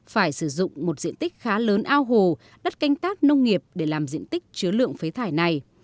phải sử dụng một diện tích khá lớn ao hồ đất canh tác nông nghiệp để làm diện tích chứa lượng phế thải này